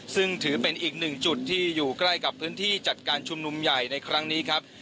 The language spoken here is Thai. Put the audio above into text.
ซึ่งถือเป็นอีกหนึ่งจุดที่อยู่ใกล้กับพื้นที่จัดการชุมนุมใหญ่ในครั้งนี้ครับ